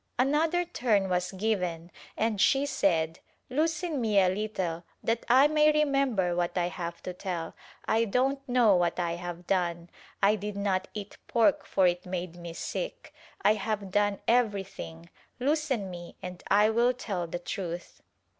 Another turn was given and she said "Loosen me a little that I may remember what I have to tell; I don't know what I have done; I did not eat pork for it made me sick; I have done everything; loosen me and I will tell the truth."